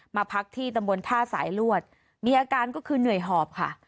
มาพักที่ตำบลท่าสายลวดมีอาการก็คือเหนื่อยหอบค่ะ